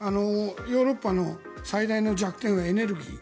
ヨーロッパの最大の弱点はエネルギー。